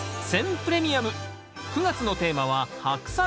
プレミアム９月のテーマは「ハクサイ」。